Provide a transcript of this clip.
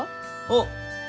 あっ！